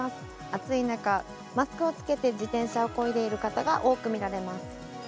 暑い中、マスクを着けて自転車をこいでいる方が多くみられます。